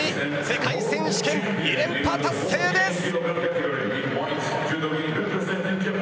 世界選手権２連覇達成です。